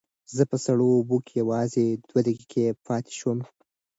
زه په سړو اوبو کې یوازې دوه دقیقې پاتې شوم.